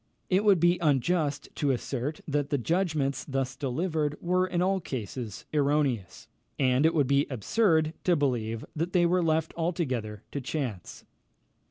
It would be unjust to assert, that the judgments thus delivered were, in all cases, erroneous; and it would be absurd to believe that they were left altogether to chance.